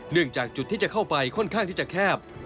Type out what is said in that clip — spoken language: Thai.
จากจุดที่จะเข้าไปค่อนข้างที่จะแคบ